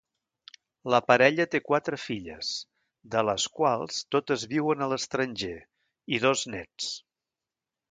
La parella té quatre filles, de les quals totes viuen a l'estranger, i dos nets.